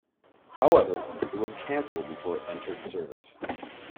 However, it was cancelled before it entered service.